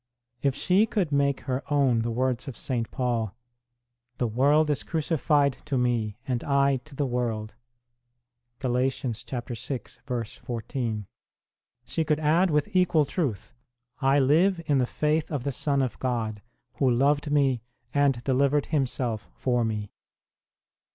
If she could make her own the words of St. Paul, The world is crucified to me, and I to the world, 2 she could add with equal truth, I live in the faith of the Son of God, Who loved me and delivered Himself for me.